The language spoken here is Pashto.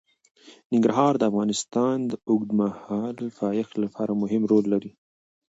ننګرهار د افغانستان د اوږدمهاله پایښت لپاره مهم رول لري.